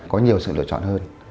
có nhiều sự lựa chọn